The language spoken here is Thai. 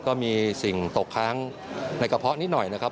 ก็มีสิ่งตกค้างในกระเพาะนิดหน่อยนะครับ